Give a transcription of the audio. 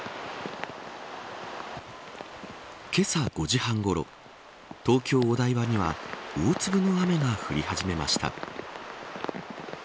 けさ５時半ごろ東京、お台場には大粒の雨が降り始めました。